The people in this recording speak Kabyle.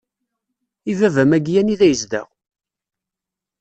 I baba-m-aki anida yezdeɣ?